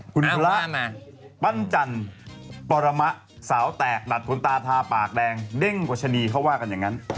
คุณพระปั้นจันปรมะสาวแตกหนัดขนตาทาปากแดงเด้งกว่าชะนีเขาว่ากันอย่างนั้น